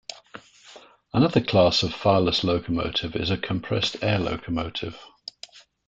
Another class of fireless locomotive is a compressed-air locomotive.